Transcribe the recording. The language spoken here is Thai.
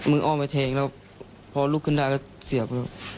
มืออ้อมแทงเพราะลูกขึ้นด่าก็เสียบ